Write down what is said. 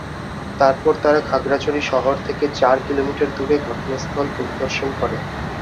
এরপর তারা খাগড়াছড়ি শহর থেকে চার কিলোমিটার দূরে ঘটনাস্থল পরিদর্শন করে।